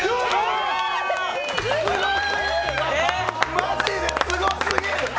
マジですごすぎる！